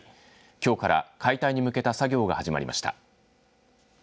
きょうから解体に向けた作業が始まりました。